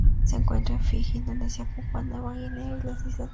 Se encuentra en Fiji, Indonesia, Papúa Nueva Guinea y las Islas Solomon.